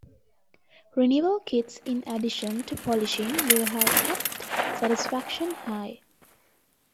Renewal kits in addition to polishing will have kept satisfaction high.